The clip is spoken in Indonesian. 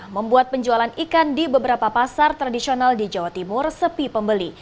membuat penjualan ikan di beberapa pasar tradisional di jawa timur sepi pembeli